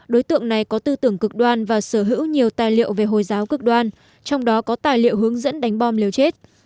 đối tượng này có tư tưởng cực đoan và sở hữu nhiều tài liệu về hồi giáo cực đoan trong đó có tài liệu hướng dẫn đánh bom liều chết